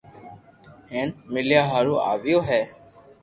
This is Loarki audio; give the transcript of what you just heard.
ھين مليا ھارون آويو ھي